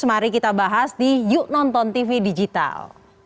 mari kita bahas di yuk nonton tv digital